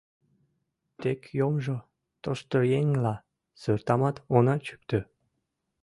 Тек йомжо, тошто еҥла, сортамат она чӱктӧ.